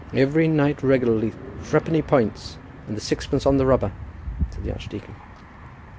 "Every night regularly; threepenny points, and sixpence on the rubber," said the archdeacon.